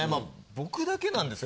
僕だけなんですよ。